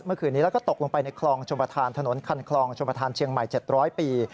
เมื่อคืนนี้แล้วก็ตกลงไปในคลองชมประธานถนนคันคลองชมประธานเชียงใหม่๗๐๐ปี